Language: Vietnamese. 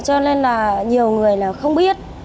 cho nên là nhiều người là không biết